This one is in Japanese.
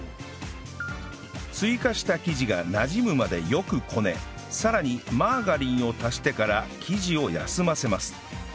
追加した生地がなじむまでよくこねさらにマーガリンを足してから生地を休ませます